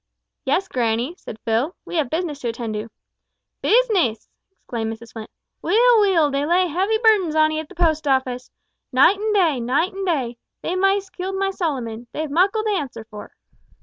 "Yes, grannie," said Phil, "we have business to attend to." "Bizness!" exclaimed Mrs Flint. "Weel, weel, they lay heavy burdens on 'ee at that Post Office. Night an' day night an' day. They've maist killed my Solomon. They've muckle to answer for."